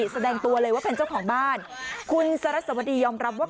แสดงตัวเลยว่าเป็นเจ้าของบ้านคุณสรัสวดียอมรับว่า